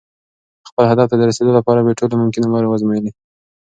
خپل هدف ته د رسېدو لپاره مې ټولې ممکنې لارې وازمویلې.